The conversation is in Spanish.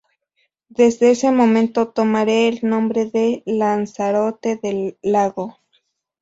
Desde ese momento tomará el nombre de Lanzarote del Lago.